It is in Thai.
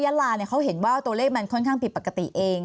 ยัลราธ์เนี่ยเค้าเห็นว่าตัวเลขมันค่อนข้างผิดปกติเอง